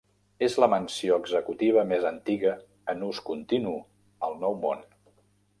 És la mansió executiva més antiga en ús continu al Nou Món.